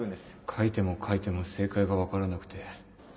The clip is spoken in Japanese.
書いても書いても正解が分からなくて